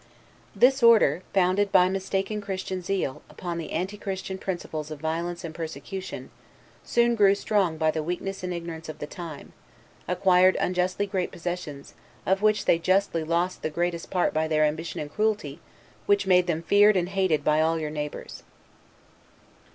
This order, founded by mistaken Christian zeal, upon the anti Christian principles of violence and persecution, soon grew strong by the weakness and ignorance of the time; acquired unjustly great possessions, of which they justly lost the greatest part by their ambition and cruelty, which made them feared and hated by all their neighbors.